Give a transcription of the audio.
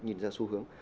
nhìn ra xu hướng